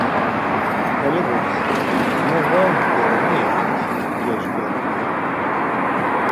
Kale bozo, ma var mgorum-i gyozgyora!